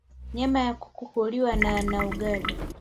nyama ya kuku huliwa na na ugali